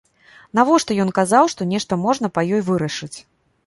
Навошта ён казаў, што нешта можна па ёй вырашыць?